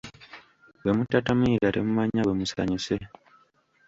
Bwe mutatamiira temumanya bwe musanyuse.